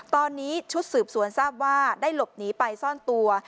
ตอนนี้ชุดสืบสวนทราบว่าได้หลบหนีไปซ่อนตัว